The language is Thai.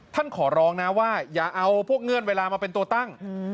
ขอร้องนะว่าอย่าเอาพวกเงื่อนเวลามาเป็นตัวตั้ง